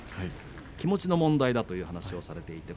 気持ちの問題だということを話しています。